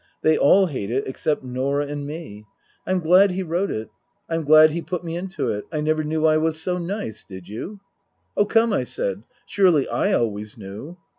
They all hate it except Norah and me. I'm glad he wrote Book II : Her Book 147 it. I'm glad he put me into it. I never knew I was so nice, did you ?"" Oh, come," I said, " surely I always knew